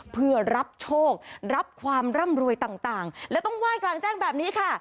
เพื่อรับโชครับความร่ำรวยต่างและต้องไหว้กลางแจ้งแบบนี้ค่ะ